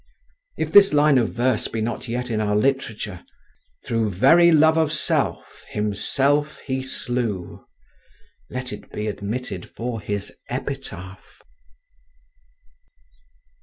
If this line of verse be not yet in our literature, Through very love of self himself he slew, let it be admitted for his epitaph.